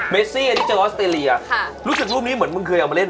เซี่อันนี้เจอออสเตรเลียค่ะรู้สึกรูปนี้เหมือนมึงเคยเอามาเล่น